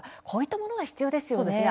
こういったものが必要ですよね。